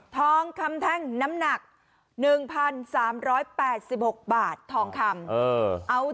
ทองคำแท่งน้ำหนัก๑๓๘๖บาททองคำ